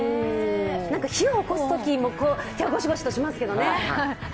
火をおこすときも、手をごしごしとしますけどね。